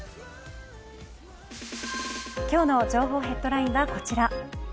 今日の情報ヘッドラインはこちら。